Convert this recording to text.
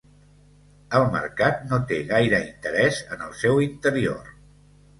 El mercat no té gaire interès en el seu interior.